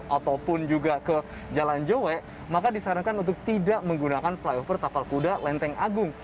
ataupun juga ke jalan jowe maka disarankan untuk tidak menggunakan flyover tapal kuda lenteng agung